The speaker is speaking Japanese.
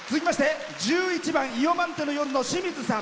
１１番「イヨマンテの夜」のしみずさん。